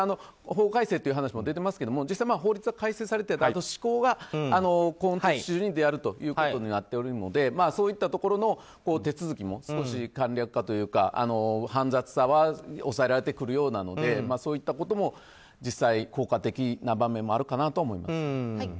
法改正という話も出ていますが実際、法律は改正されて施行が今年中でということになっているのでそういったところの手続きも少し簡略化というか煩雑さは抑えられてくるようなのでそういったことも実際効果的な場面もあるかなと思います。